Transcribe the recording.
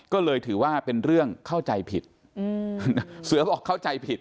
ก็เลยถือว่าเป็นเรื่องเข้าใจผิดเสือบอกเข้าใจผิด